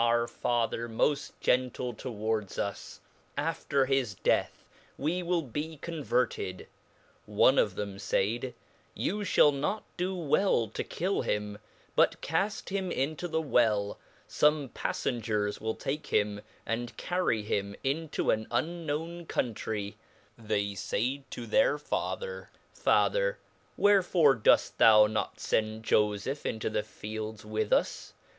our father more gentle towards us; after his death we will be converted. One of them faid, you (hall not do well to kill him, but call: him into the well, fomepaflengers will take him, and carry him into an unknown Country ; They faid to their fa ther; father, wherefore doft thou not fend fofefh into the fields with us